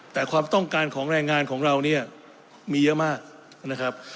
แต่ความต้องการของแรงงานของเราเนี่ยมีเยอะมากนะครับ